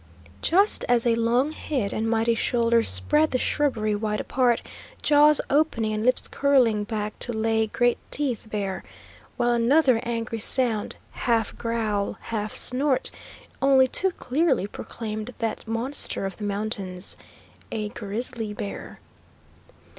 Just as a long head and mighty shoulders spread the shrubbery wide apart, jaws opening and lips curling back to lay great teeth bare, while another angry sound, half growl, half snort, only too clearly proclaimed that monster of the mountains, a grizzly bear.